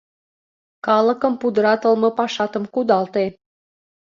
Калыкым пудыратылме пашатым кудалте.